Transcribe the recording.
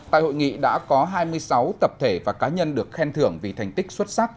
tại hội nghị đã có hai mươi sáu tập thể và cá nhân được khen thưởng vì thành tích xuất sắc